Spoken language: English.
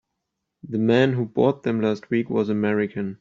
The man who bought them last week was American.